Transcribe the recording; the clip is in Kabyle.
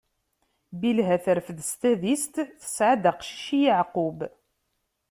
Bilha terfed s tadist, tesɛa-d aqcic i Yeɛqub.